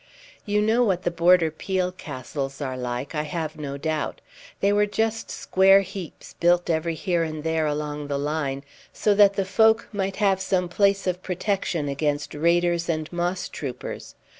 You know what the border peel castles are like, I have no doubt. They were just square heaps built every here and there along the line, so that the folk might have some place of protection against raiders and mosstroopers.